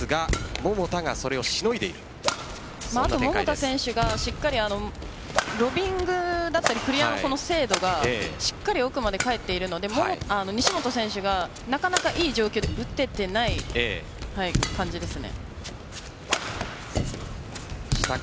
桃田選手がロビングだったりクリアの精度がしっかり奥まで入っているので西本選手がなかなかいい状況で打てていない感じですね。